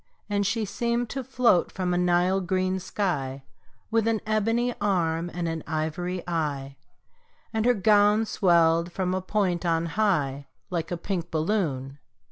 And she seemed to float from a Nile green sky, With an ebony arm and an ivory eye, And her gown swelled from a point on high, Like a pink balloon.